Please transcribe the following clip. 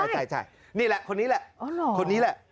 ใช่นี่แหละคนนี้แหละ